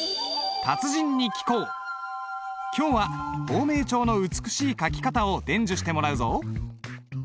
今日は芳名帳の美しい書き方を伝授してもらうぞ。